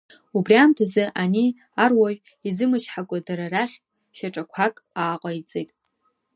Убри амҭазы, ани аруаҩ изымычҳакәа дара рахь шьаҿақәак ааҟаиҵеит.